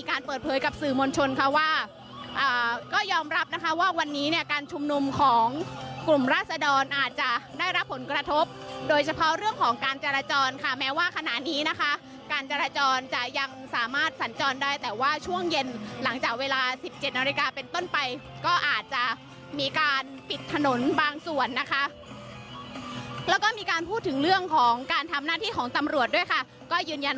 เปิดเผยกับสื่อมวลชนค่ะว่าก็ยอมรับนะคะว่าวันนี้เนี่ยการชุมนุมของกลุ่มราศดรอาจจะได้รับผลกระทบโดยเฉพาะเรื่องของการจราจรค่ะแม้ว่าขณะนี้นะคะการจราจรจะยังสามารถสัญจรได้แต่ว่าช่วงเย็นหลังจากเวลาสิบเจ็ดนาฬิกาเป็นต้นไปก็อาจจะมีการปิดถนนบางส่วนนะคะแล้วก็มีการพูดถึงเรื่องของการทำหน้าที่ของตำรวจด้วยค่ะก็ยืนยัน